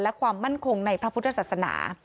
และความมั่นคงในพระพุทธศาสนา